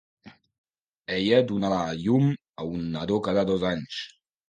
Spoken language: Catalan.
Ella donarà a llum a un nadó cada dos anys.